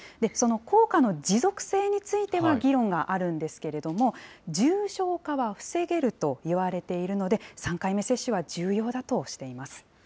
その効果の持続性については議論があるんですけれども、重症化は防げると言われているので、３回目接種は重要だとしています。